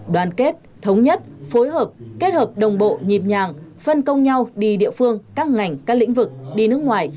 đoàn kết thống nhất phối hợp kết hợp đồng bộ nhịp nhàng phân công nhau đi địa phương các ngành các lĩnh vực đi nước ngoài